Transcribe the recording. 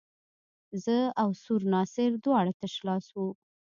زه او سور ناصر دواړه تش لاس وو.